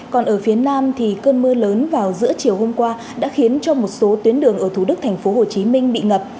còn ở phía nam cơn mưa lớn vào giữa chiều hôm qua đã khiến cho một số tuyến đường ở thủ đức tp hcm bị ngập